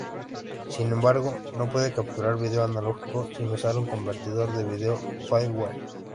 Sin embargo, no puede capturar video analógico sin usar un convertidor de video FireWire.